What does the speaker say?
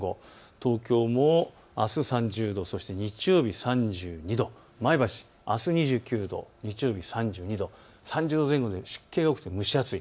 東京もあす３０度、そして日曜日３２度、前橋、あす２９度、日曜日３２度、３０度前後で湿気が多くて蒸し暑い。